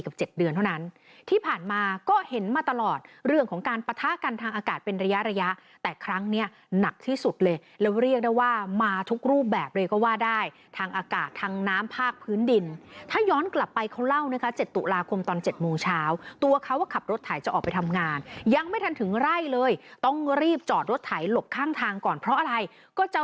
๗เดือนเท่านั้นที่ผ่านมาก็เห็นมาตลอดเรื่องของการปะทะกันทางอากาศเป็นระยะระยะแต่ครั้งเนี้ยหนักที่สุดเลยแล้วเรียกได้ว่ามาทุกรูปแบบเลยก็ว่าได้ทางอากาศทางน้ำภาคพื้นดินถ้าย้อนกลับไปเขาเล่านะคะ๗ตุลาคมตอน๗โมงเช้าตัวเขาก็ขับรถไถจะออกไปทำงานยังไม่ทันถึงไร่เลยต้องรีบจอดรถไถหลบข้างทางก่อนเพราะอะไรก็จะ